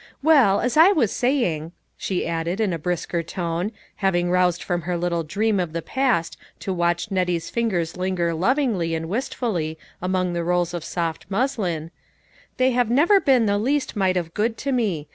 Well, as I was saying," she added, in a brisker tone, having roused from her little dream of the past to watch Nettie's fingers lin ger lovingly and wistfully among the rolls of soft muslin, "they have never been the least mite of good to me.